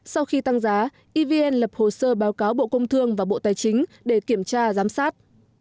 sau khi tăng giá evn lập hồ sơ báo cáo bộ công thương và bộ tài chính để kiểm tra giám sát